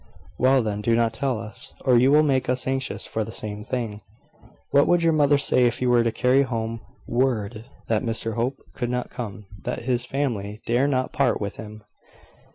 "Well, then, do not tell us, or you will make us anxious for the same thing." "What would your mother say if you were to carry home word that Mr Hope could not come that his family dare not part with him?"